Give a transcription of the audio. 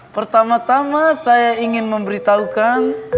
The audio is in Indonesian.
pertama tama saya ingin memberitahukan